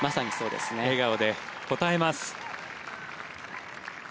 笑顔で応えます。